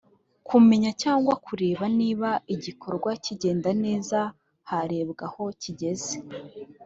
kumenya cyangwa kureba niba igikorwa cyigenda neza harebwa aho kigeze